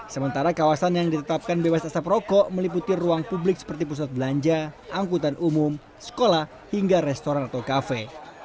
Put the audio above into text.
sementara kawasan yang ditetapkan bebas asap rokok meliputi ruang publik seperti pusat belanja angkutan umum sekolah hingga restoran atau kafe